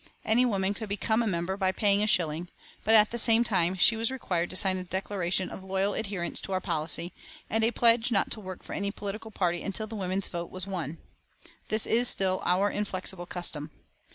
Any woman could become a member by paying a shilling, but at the same time she was required to sign a declaration of loyal adherence to our policy and a pledge not to work for any political party until the women's vote was won. This is still our inflexible custom.